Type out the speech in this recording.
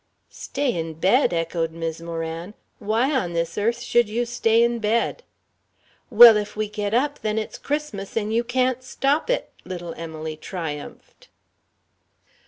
"Stay in bed!" echoed Mis' Moran. "Why on this earth should you stay in bed?" "Well, if we get up, then it's Christmas and you can't stop it!" little Emily triumphed.